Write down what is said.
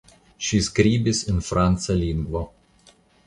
Ŝi skribis en franca lingvo.